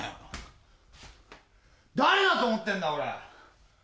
誰だと思ってんだオラ！